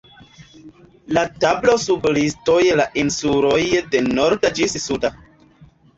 La tablo sub listoj la insuloj de Norda ĝis Suda.